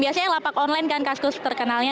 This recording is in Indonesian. biasanya lapak online kan kasus terkenalnya